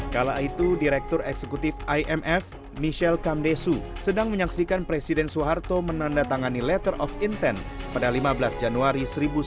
kala itu direktur eksekutif imf michelle kamdesu sedang menyaksikan presiden soeharto menandatangani letter of intent pada lima belas januari seribu sembilan ratus empat puluh